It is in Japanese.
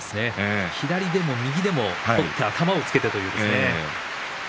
左でも右でも取って頭をつけてですね。